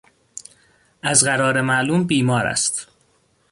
از قرار معلوم بیمار است.